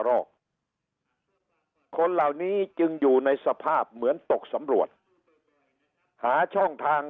รอกคนเหล่านี้จึงอยู่ในสภาพเหมือนตกสำรวจหาช่องทาง